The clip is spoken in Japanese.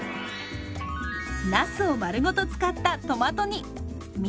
なすを丸ごと使ったトマト煮。